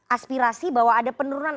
aspirasi bahwa ada penurunan